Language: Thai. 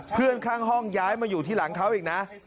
เพื่อนข้างห้องย้ายมาอยู่ที่หลังเขาอีกนะ